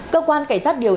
công an nghệ an